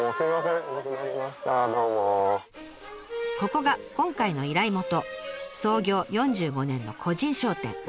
ここが今回の依頼元創業４５年の個人商店。